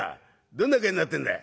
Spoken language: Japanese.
どんな具合になってんだい？」。